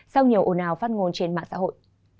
sau nhiều ồn ào phát ngôn trên mạng xã hội